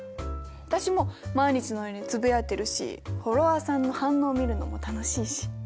私も毎日のようにつぶやいてるしフォロワーさんの反応を見るのも楽しいし。